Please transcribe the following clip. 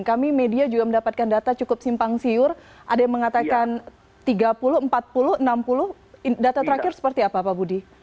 kami media juga mendapatkan data cukup simpang siur ada yang mengatakan tiga puluh empat puluh enam puluh data terakhir seperti apa pak budi